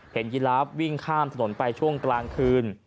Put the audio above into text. เห็นยิราฟวิ่งข้ามสนุนไปช่วงกลางคืน